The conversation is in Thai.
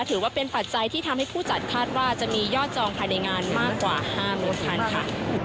ถือว่าเป็นปัจจัยที่ทำให้ผู้จัดคาดว่าจะมียอดจองภายในงานมากกว่า๕๐๐คันค่ะ